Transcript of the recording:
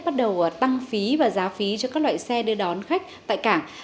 bắt đầu tăng phí và giá phí cho các loại xe đưa đón khách tại cảng